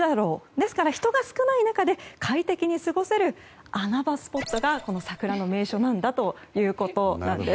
ですから、人が少ない中で快適に過ごせる穴場スポットが桜の名所なんだということです。